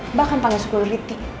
mbak akan panggil sepuluh detik